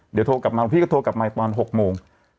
เดี๋ยวโทรกลับมาหลวงพี่ก็โทรกลับมาตอน๖โมง